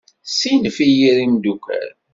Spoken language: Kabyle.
Ssinef i yir imeddukal.